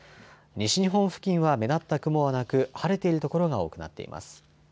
西日本付近は目立った雲はなく晴れている所が多くなっています。